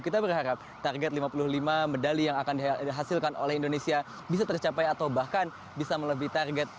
kita berharap target lima puluh lima medali yang akan dihasilkan oleh indonesia bisa tercapai atau bahkan bisa melebih target